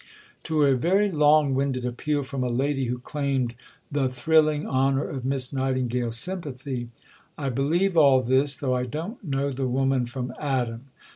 To a very long winded appeal from a lady who claimed "the thrilling honour of Miss Nightingale's sympathy": "I believe all this, though I don't know the woman from Adam.